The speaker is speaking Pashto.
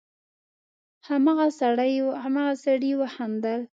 هماغه سړي وخندل: